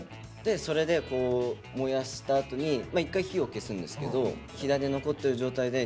それでこう燃やしたあとに一回火を消すんですけど火種残ってる状態でえ！